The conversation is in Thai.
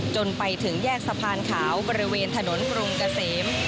จนไปถึงแยกสะพานขาวบริเวณถนนกรุงเกษม